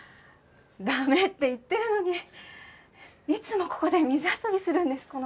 駄目って言ってるのにいつもここで水遊びするんです